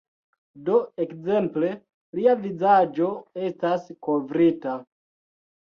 Do, ekzemple lia vizaĝo estas kovrita